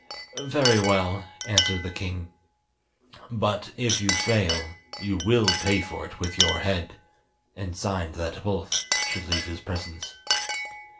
"Very well," answered the king; "but if you fail, you will pay for it with your head!" and signed that both should leave his presence.